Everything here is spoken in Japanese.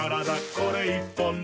これ１本で」